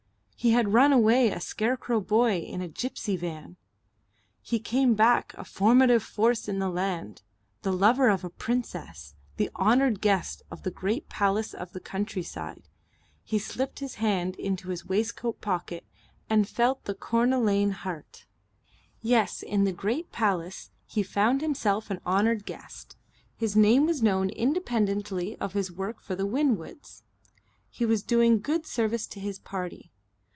He had run away a scarecrow boy in a gipsy van. He came back a formative force in the land, the lover of a princess, the honoured guest of the great palace of the countryside. He slipped his hand into his waistcoat pocket and felt the cornelian heart. Yes, in the great palace he found himself an honoured guest. His name was known independently of his work for the Winwoods. He was doing good service to his party.